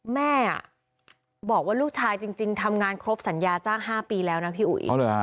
แม่บอกว่าลูกชายจริงทำงานครบสัญญาจ้าง๕ปีแล้วนะพี่อุ๋ย